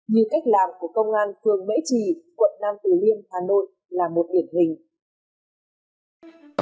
như cách làm của công an phường mễ trì quận năm từ liên hà nội là một điển hình